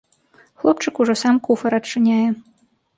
Хлопчык ужо сам куфар адчыняе.